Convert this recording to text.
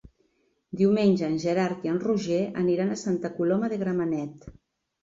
Diumenge en Gerard i en Roger aniran a Santa Coloma de Gramenet.